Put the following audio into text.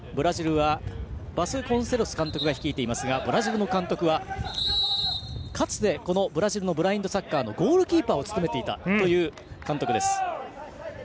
ブラジルはバスコンセロス監督が率いていますがブラジルの監督はかつて、ブラジルのブラインドサッカーのゴールキーパーを務めていた監督です。